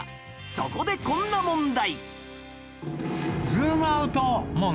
そこでこんな問題